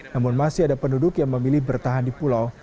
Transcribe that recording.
namun masih ada penduduk yang memilih bertahan di pulau